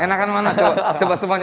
enakan mana coba semuanya